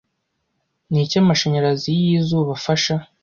Niki Amashanyarazi ya izuba afasha